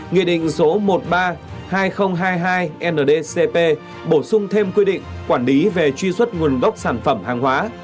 nghị định số một mươi ba hai nghìn hai mươi hai ndcp bổ sung thêm quy định quản lý về truy xuất nguồn gốc sản phẩm hàng hóa